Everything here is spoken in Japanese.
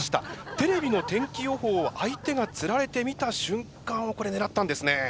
テレビの天気予報を相手がつられて見た瞬間をこれ狙ったんですね。